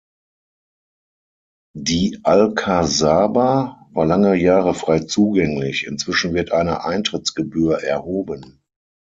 Die Alcazaba war lange Jahre frei zugänglich; inzwischen wird eine Eintrittsgebühr erhoben.